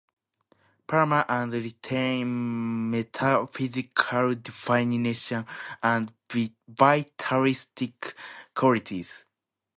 Palmer, and retain metaphysical definitions and vitalistic qualities.